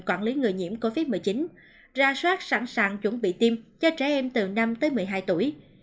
quản lý người nhiễm covid một mươi chín ra soát sẵn sàng chuẩn bị tiêm cho trẻ em từ năm tới một mươi hai tuổi